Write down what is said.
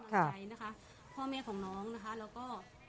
ขอบคุณมากใจนะคะพ่อแม่ของน้องนะคะแล้วก็